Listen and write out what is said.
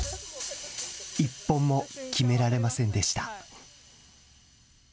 １本も決められませんでした。